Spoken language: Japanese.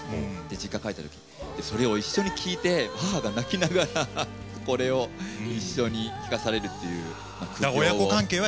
実家に帰った時にこれを一緒に聴いて母が泣きながら、これを一緒に聴かされるという。